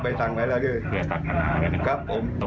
ปล่อยละครับ